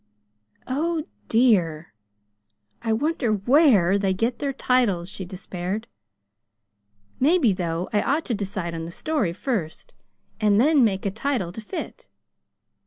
"O dear! I wonder WHERE they get their titles," she despaired. "Maybe, though, I ought to decide on the story first, and then make a title to fit.